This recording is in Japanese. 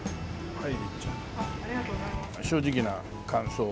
はい。